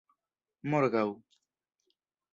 morgaŭ